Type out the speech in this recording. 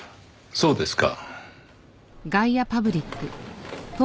そうですか。